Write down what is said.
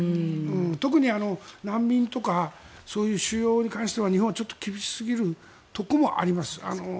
特に難民とか収容に関しては日本はちょっと厳しすぎるところもあります。